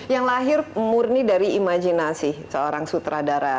yang lahir murni dari imajinasi seorang sutradara